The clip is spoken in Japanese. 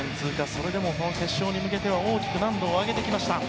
それでも決勝に向けて大きく難度を上げてきました。